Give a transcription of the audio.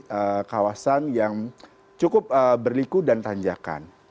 jadi ini adalah kondisi yang cukup berliku dan tanjakan